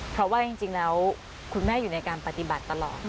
เพราะว่าจริงแล้วคุณแม่อยู่ในการปฏิบัติตลอด